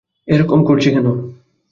এরকম করছি কেন?